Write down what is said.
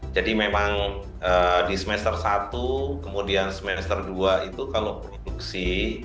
jadi memang di semester satu kemudian semester dua itu kalau produksi